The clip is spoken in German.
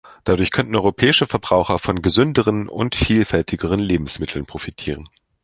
Dadurch könnten europäische Verbraucher von gesünderen und vielfältigeren Lebensmitteln profitieren.